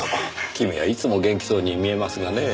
君はいつも元気そうに見えますがねぇ。